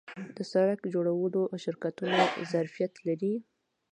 د سرک جوړولو شرکتونه ظرفیت لري؟